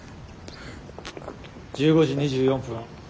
１５時２４分。